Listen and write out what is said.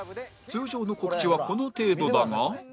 通常の告知はこの程度だが